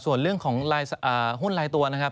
ส่วนเรื่องของหุ้นลายตัวนะครับ